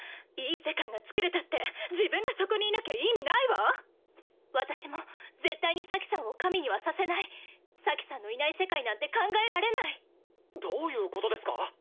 いい世界がつくれたって自分がそこにいなきゃ意味ないわ私も絶対に咲さんを神にはさせない咲さんのいない世界なんて考えられないどういうことですか？